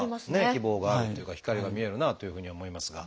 希望があるっていうか光が見えるなあというふうには思いますが。